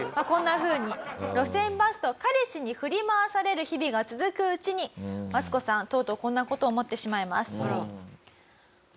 こんな風に路線バスと彼氏に振り回される日々が続くうちにワスコさんとうとうこんな事を思ってしまいます。